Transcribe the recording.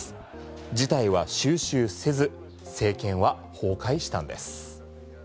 事態は収拾せず政権は崩壊したんです。